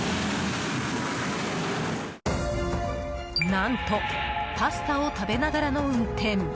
何とパスタを食べながらの運転。